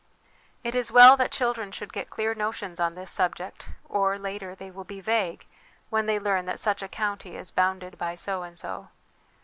It is well that children should get clear notions on this subject, or, later, they will be vague when they learn that such a county is ' bounded ' by so and so.